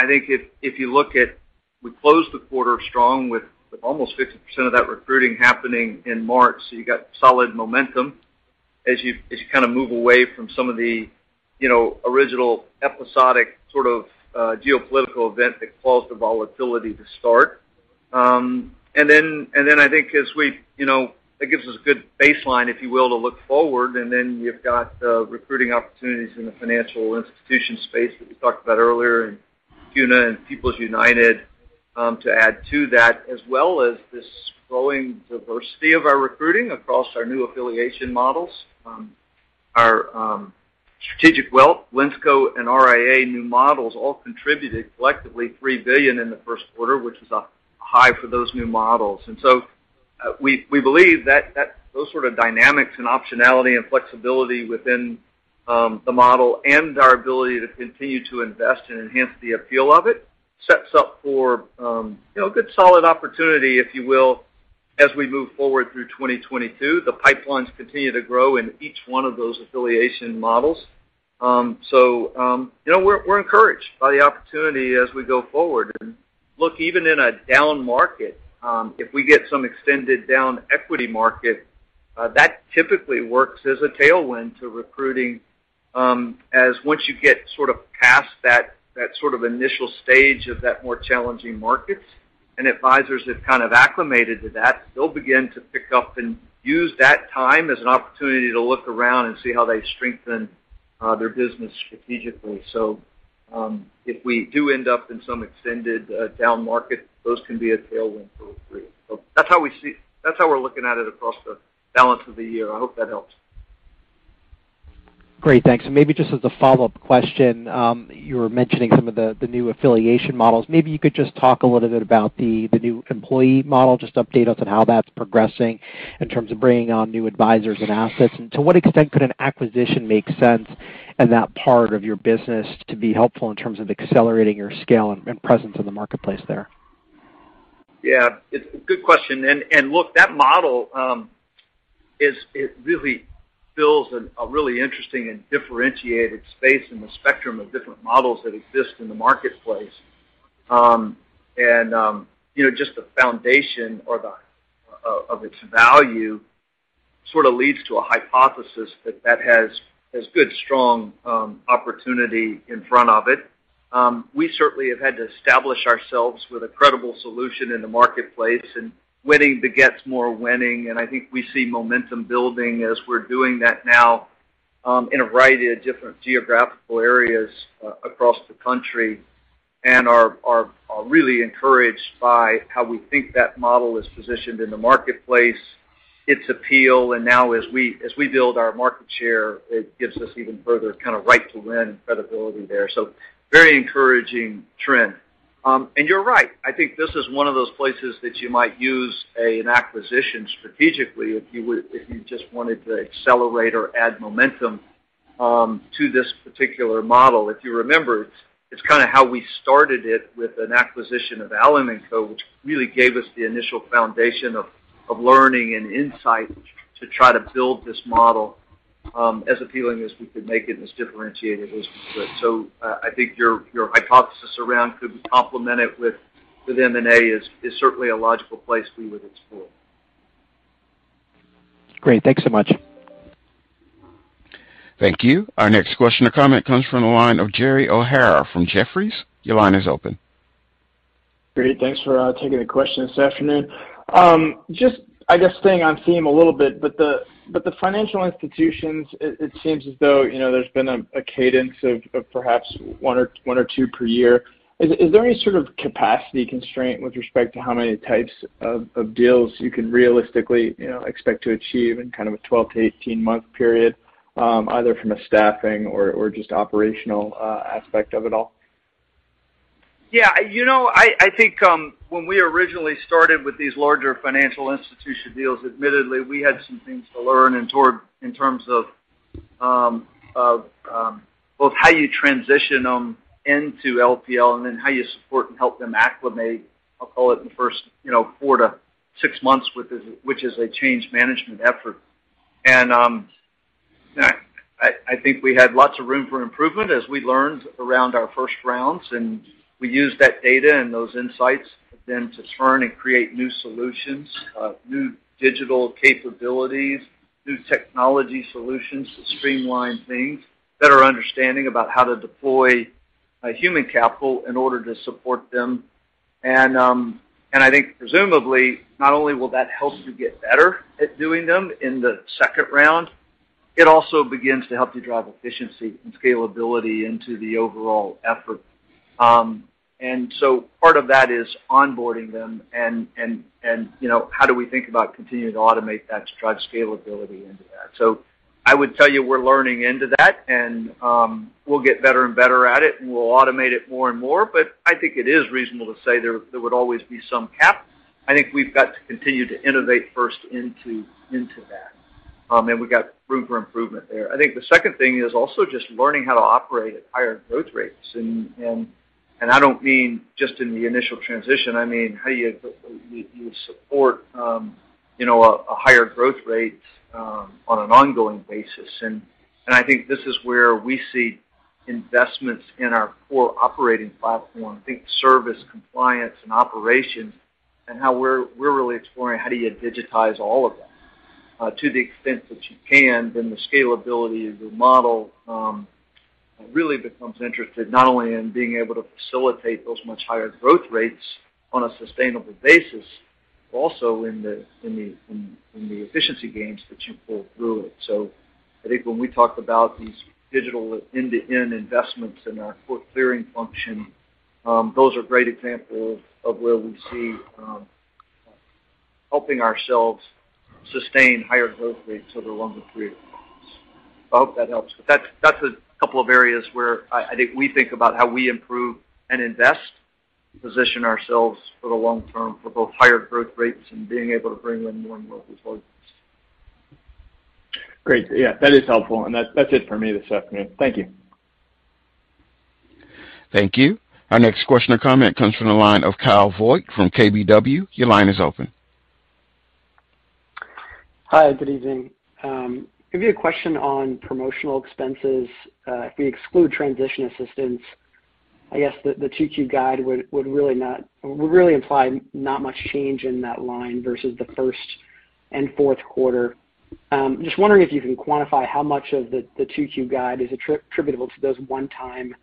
think if you look at we closed the quarter strong with almost 50% of that recruiting happening in March, so you got solid momentum as you kind of move away from some of the, you know, original episodic sort of, geopolitical event that caused the volatility to start. I think as we you know, that gives us a good baseline, if you will, to look forward. You've got recruiting opportunities in the financial institution space that we talked about earlier in CUNA and People's United to add to that, as well as this growing diversity of our recruiting across our new affiliation models. Our strategic wealth, Linsco and RIA new models all contributed collectively $3 billion in the first quarter, which is a high for those new models. We believe that those sort of dynamics and optionality and flexibility within the model and our ability to continue to invest and enhance the appeal of it sets up for you know, a good, solid opportunity, if you will, as we move forward through 2022. The pipelines continue to grow in each one of those affiliation models. You know, we're encouraged by the opportunity as we go forward. Look, even in a down market, if we get some extended down equity market, that typically works as a tailwind to recruiting, as once you get sort of past that sort of initial stage of that more challenging markets and advisors have kind of acclimated to that, they'll begin to pick up and use that time as an opportunity to look around and see how they strengthen their business strategically. So, if we do end up in some extended, down market, those can be a tailwind for us. So that's how we see. That's how we're looking at it across the balance of the year. I hope that helps. Great. Thanks. Maybe just as a follow-up question, you were mentioning some of the new affiliation models. Maybe you could just talk a little bit about the new employee model. Just update us on how that's progressing in terms of bringing on new advisors and assets. To what extent could an acquisition make sense in that part of your business to be helpful in terms of accelerating your scale and presence in the marketplace there? Yeah, it's a good question. Look, that model, it really fills a really interesting and differentiated space in the spectrum of different models that exist in the marketplace. You know, just the foundation of its value sort of leads to a hypothesis that that has good, strong opportunity in front of it. We certainly have had to establish ourselves with a credible solution in the marketplace, and winning begets more winning. I think we see momentum building as we're doing that now in a variety of different geographical areas across the country, and are really encouraged by how we think that model is positioned in the marketplace, its appeal. Now as we build our market share, it gives us even further kind of right to win credibility there. Very encouraging trend. You're right. I think this is one of those places that you might use an acquisition strategically if you just wanted to accelerate or add momentum to this particular model. If you remember, it's kind of how we started it with an acquisition of Allen & Company, which really gave us the initial foundation of learning and insight to try to build this model as appealing as we could make it, as differentiated as we could. I think your hypothesis around could we complement it with M&A is certainly a logical place we would explore. Great. Thanks so much. Thank you. Our next question or comment comes from the line of Gerald O'Hara from Jefferies. Your line is open. Great. Thanks for taking the question this afternoon. Just, I guess, staying on theme a little bit, but the financial institutions, it seems as though, you know, there's been a cadence of perhaps one or two per year. Is there any sort of capacity constraint with respect to how many types of deals you can realistically, you know, expect to achieve in kind of a 12-18-month period, either from a staffing or just operational aspect of it all? Yeah. You know, I think, when we originally started with these larger financial institution deals, admittedly, we had some things to learn in terms of both how you transition them into LPL and then how you support and help them acclimate, I'll call it the first, you know, four to six months, which is a change management effort. I think we had lots of room for improvement as we learned around our first rounds, and we used that data and those insights then to turn and create new solutions, new digital capabilities, new technology solutions to streamline things, better understanding about how to deploy human capital in order to support them. I think presumably not only will that help you get better at doing them in the second round, it also begins to help you drive efficiency and scalability into the overall effort. Part of that is onboarding them and, you know, how do we think about continuing to automate that to drive scalability into that? I would tell you we're learning into that and, we'll get better and better at it, and we'll automate it more and more, but I think it is reasonable to say there would always be some cap. I think we've got to continue to innovate first into that. We've got room for improvement there. I think the second thing is also just learning how to operate at higher growth rates. I don't mean just in the initial transition. I mean, how you support, you know, a higher growth rate on an ongoing basis. I think this is where we see investments in our core operating platform, think service, compliance and operations, and how we're really exploring how do you digitize all of that, to the extent that you can, then the scalability of the model really becomes interesting not only in being able to facilitate those much higher growth rates on a sustainable basis, but also in the efficiency gains that you pull through it. I think when we talk about these digital end-to-end investments in our core clearing function, those are great examples of where we see helping ourselves sustain higher growth rates over a longer period of time. I hope that helps. That's a couple of areas where I think we think about how we improve and invest to position ourselves for the long term for both higher growth rates and being able to bring in more and more resources. Great. Yeah, that is helpful. That, that's it for me this afternoon. Thank you. Thank you. Our next question or comment comes from the line of Kyle Voigt from KBW. Your line is open. Hi. Good evening. Maybe a question on promotional expenses. If we exclude transition assistance, I guess the 2Q guide would really imply not much change in that line versus the first and fourth quarter. Just wondering if you can quantify how much of the 2Q guide is attributable to those one-time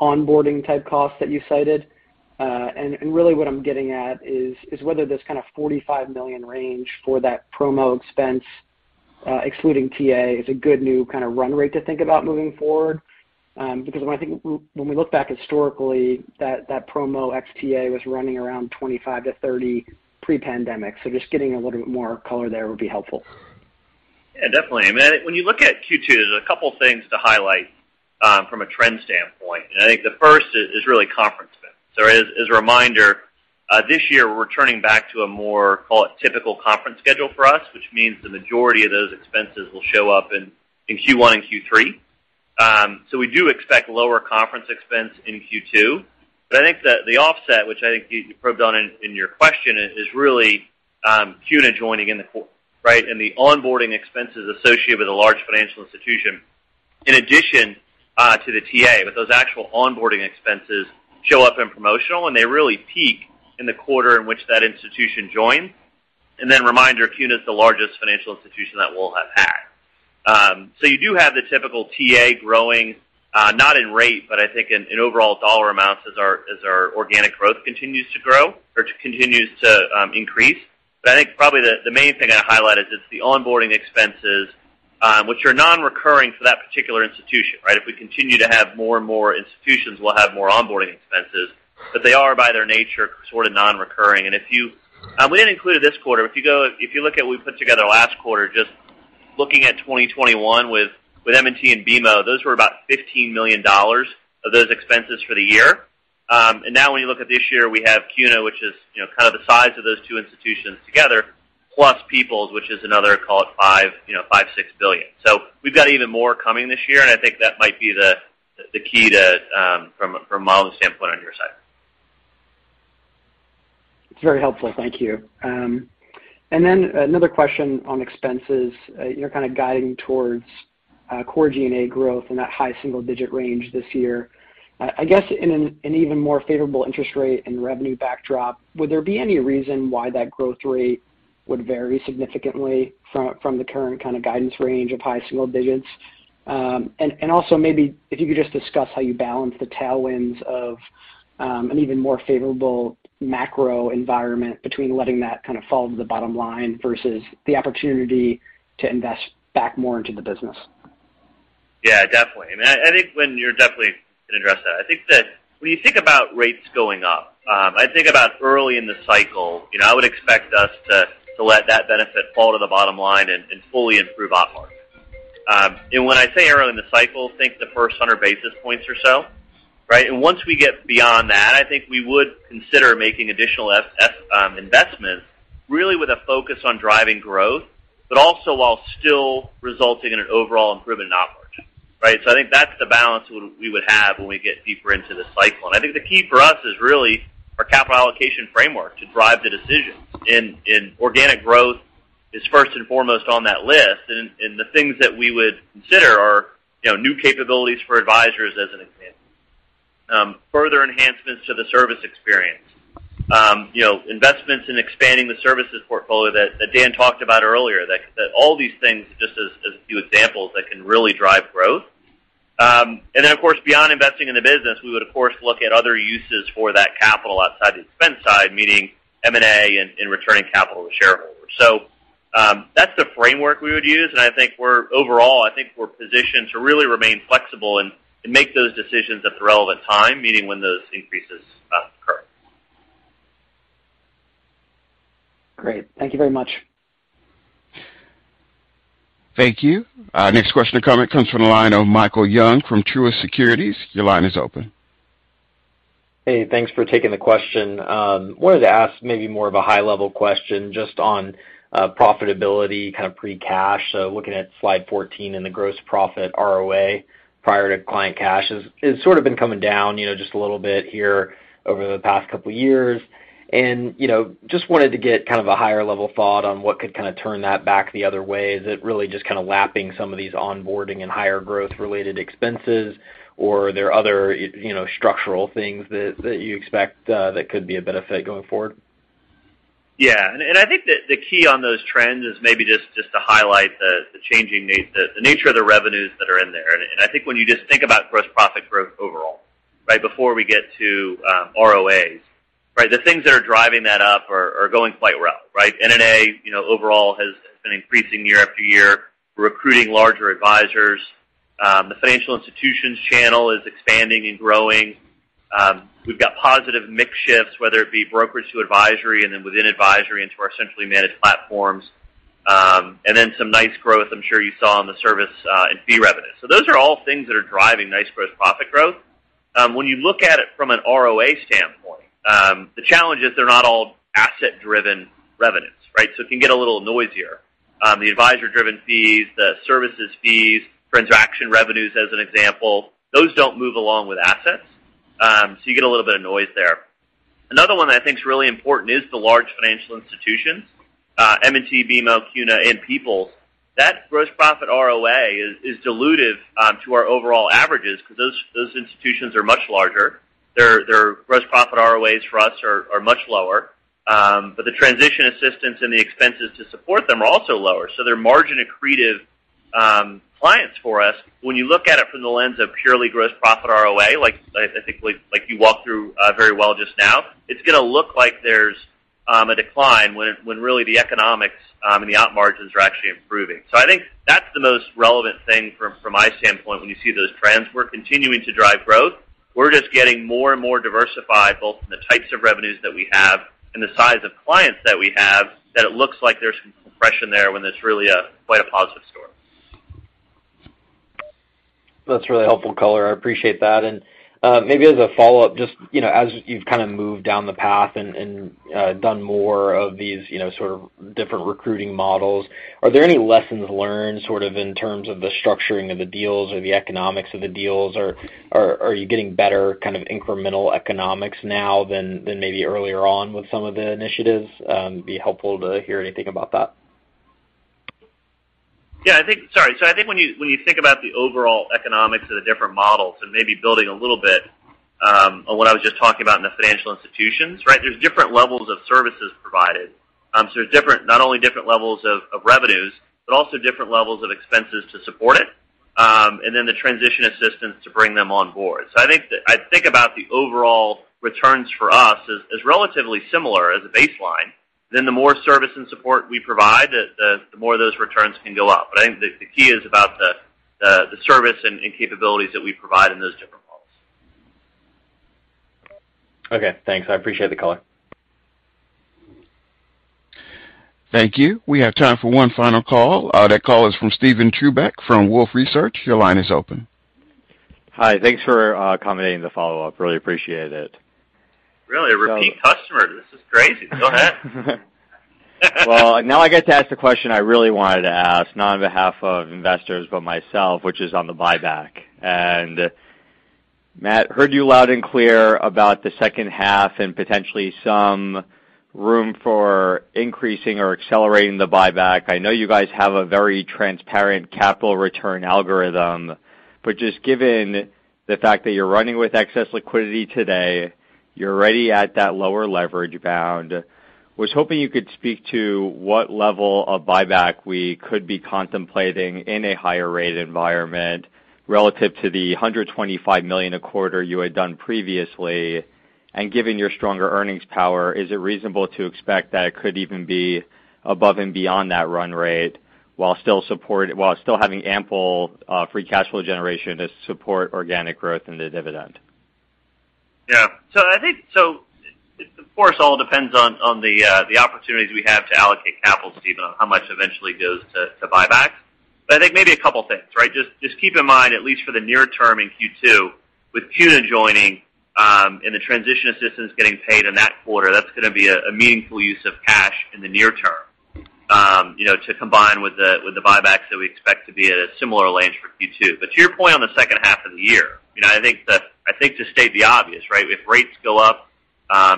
onboarding type costs that you cited? And really what I'm getting at is whether this kind of $45 million range for that promo expense, excluding TA is a good new kind of run rate to think about moving forward. Because when we look back historically that promo ex TA was running around $25 million-$30 million pre-pandemic. Just getting a little bit more color there would be helpful. Yeah, definitely. I mean, when you look at Q2, there's a couple things to highlight from a trend standpoint. I think the first is really conference spend. As a reminder, this year we're returning back to a more, call it, typical conference schedule for us, which means the majority of those expenses will show up in Q1 and Q3. We do expect lower conference expense in Q2. I think the offset, which I think you probed on in your question is really CUNA joining in the quarter, right? The onboarding expenses associated with a large financial institution in addition to the TA. Those actual onboarding expenses show up in promotional, and they really peak in the quarter in which that institution joins. Reminder, CUNA is the largest financial institution that we'll have had. So you do have the typical TA growing, not in rate, but I think in overall dollar amounts as our organic growth continues to grow or continues to increase. I think probably the main thing I highlight is it's the onboarding expenses, which are non-recurring for that particular institution, right? If we continue to have more and more institutions, we'll have more onboarding expenses, but they are, by their nature, sort of non-recurring. We didn't include it this quarter. If you look at what we put together last quarter, just looking at 2021 with M&T and BMO, those were about $15 million of those expenses for the year. Now when you look at this year, we have CUNA, which is, you know, kind of the size of those two institutions together, plus People's, which is another, call it $5 billion to $6 billion. We've got even more coming this year, and I think that might be the key to from a model standpoint on your side. It's very helpful. Thank you. Another question on expenses. You're kind of guiding towards core G&A growth in that high single-digit range this year. I guess in an even more favorable interest rate and revenue backdrop, would there be any reason why that growth rate would vary significantly from the current kind of guidance range of high single digits? Also, maybe if you could just discuss how you balance the tailwinds of an even more favorable macro environment between letting that kind of fall to the bottom line versus the opportunity to invest back more into the business. Yeah, definitely. I mean, I think when you're definitely going to address that. I think that when you think about rates going up, I think about early in the cycle, you know, I would expect us to let that benefit fall to the bottom line and fully improve op margin. When I say early in the cycle, think the first 100 basis points or so, right? Once we get beyond that, I think we would consider making additional investments really with a focus on driving growth, but also while still resulting in an overall improved op margin, right? I think that's the balance we would have when we get deeper into this cycle. I think the key for us is really our capital allocation framework to drive the decisions. Organic growth is first and foremost on that list. The things that we would consider are, you know, new capabilities for advisors as an example. Further enhancements to the service experience. You know, investments in expanding the services portfolio that Dan talked about earlier. That all these things, just as a few examples, that can really drive growth. Then of course, beyond investing in the business, we would of course look at other uses for that capital outside the expense side, meaning M&A and returning capital to shareholders. That's the framework we would use. I think we're overall positioned to really remain flexible and make those decisions at the relevant time, meaning when those increases occur. Great. Thank you very much. Thank you. Next question or comment comes from the line of Michael Young from Truist Securities. Your line is open. Hey, thanks for taking the question. Wanted to ask maybe more of a high level question just on profitability kind of pre-cash. So looking at slide 14 and the gross profit ROA prior to client cash has sort of been coming down, you know, just a little bit here over the past couple years. You know, just wanted to get kind of a higher level thought on what could kind of turn that back the other way. Is it really just kind of lapping some of these onboarding and higher growth related expenses? Or are there other, you know, structural things that you expect that could be a benefit going forward? Yeah, I think the key on those trends is maybe just to highlight the changing nature of the revenues that are in there. I think when you just think about gross profit growth overall, right before we get to ROAs, right? The things that are driving that up are going quite well, right? NNA, you know, overall has been increasing year after year. We're recruiting larger advisors. The financial institutions channel is expanding and growing. We've got positive mix shifts, whether it be brokerage to advisory and then within advisory into our centrally managed platforms. And then some nice growth I'm sure you saw on the service and fee revenue. Those are all things that are driving nice gross profit growth. When you look at it from an ROA standpoint, the challenge is they're not all asset-driven revenues, right? It can get a little noisier. The advisor-driven fees, the services fees, transaction revenues as an example, those don't move along with assets. You get a little bit of noise there. Another one that I think is really important is the large financial institutions, M&T, BMO, CUNA, and People's. That gross profit ROA is dilutive to our overall averages because those institutions are much larger. Their gross profit ROAs for us are much lower. The transition assistance and the expenses to support them are also lower. They're margin accretive. Clients for us, when you look at it from the lens of purely gross profit ROA, like, I think, you walked through very well just now, it's gonna look like there's a decline when really the economics and the op margins are actually improving. I think that's the most relevant thing from my standpoint, when you see those trends. We're continuing to drive growth. We're just getting more and more diversified, both in the types of revenues that we have and the size of clients that we have, that it looks like there's some compression there when it's really a quite positive story. That's really helpful color. I appreciate that. Maybe as a follow-up, just, you know, as you've kind of moved down the path and done more of these, you know, sort of different recruiting models, are there any lessons learned sort of in terms of the structuring of the deals or the economics of the deals, or are you getting better kind of incremental economics now than maybe earlier on with some of the initiatives? It'd be helpful to hear anything about that. I think when you think about the overall economics of the different models and maybe building a little bit on what I was just talking about in the financial institutions, right? There's different levels of services provided. There's different, not only different levels of revenues, but also different levels of expenses to support it, and then the transition assistance to bring them on board. I think about the overall returns for us as relatively similar as a baseline. The more service and support we provide, the more those returns can go up. I think the key is about the service and capabilities that we provide in those different models. Okay, thanks. I appreciate the color. Thank you. We have time for one final call. That call is from Steven Chubak from Wolfe Research. Your line is open. Hi. Thanks for accommodating the follow-up. Really appreciate it. Really? A repeat customer. This is crazy. Go ahead. Well, now I get to ask the question I really wanted to ask, not on behalf of investors, but myself, which is on the buyback. Matt, I heard you loud and clear about the second half and potentially some room for increasing or accelerating the buyback. I know you guys have a very transparent capital return algorithm, but just given the fact that you're running with excess liquidity today, you're already at that lower leverage bound. I was hoping you could speak to what level of buyback we could be contemplating in a higher rate environment relative to the $125 million a quarter you had done previously. Given your stronger earnings power, is it reasonable to expect that it could even be above and beyond that run rate while still having ample free cash flow generation to support organic growth and the dividend? Yeah. I think so, of course, it all depends on the opportunities we have to allocate capital, Steven, on how much eventually goes to buybacks. I think maybe a couple things, right? Just keep in mind, at least for the near term in Q2, with CUNA joining, and the transition assistance getting paid in that quarter, that's gonna be a meaningful use of cash in the near term, you know, to combine with the buybacks that we expect to be at a similar range for Q2. To your point on the second half of the year, you know, I think to state the obvious, right, if rates go up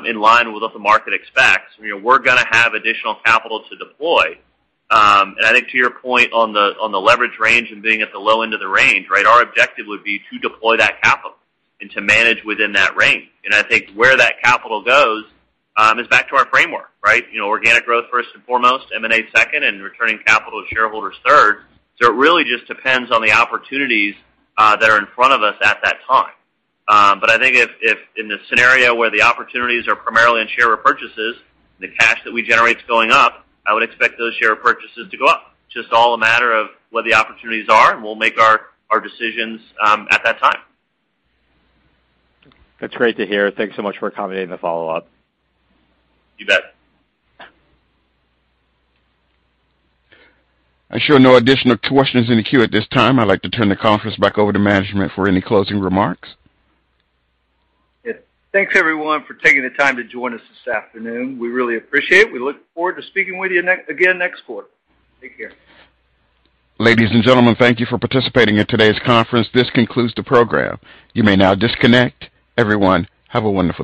in line with what the market expects, you know, we're gonna have additional capital to deploy. I think to your point on the leverage range and being at the low end of the range, right, our objective would be to deploy that capital and to manage within that range. I think where that capital goes is back to our framework, right? You know, organic growth first and foremost, M&A second, and returning capital to shareholders third. It really just depends on the opportunities that are in front of us at that time. I think if in the scenario where the opportunities are primarily in share repurchases and the cash that we generate is going up, I would expect those share purchases to go up. Just all a matter of what the opportunities are, and we'll make our decisions at that time. That's great to hear. Thanks so much for accommodating the follow-up. You bet. I show no additional questions in the queue at this time. I'd like to turn the conference back over to management for any closing remarks. Yeah. Thanks, everyone, for taking the time to join us this afternoon. We really appreciate it. We look forward to speaking with you again next quarter. Take care. Ladies and gentlemen, thank you for participating in today's conference. This concludes the program. You may now disconnect. Everyone, have a wonderful day.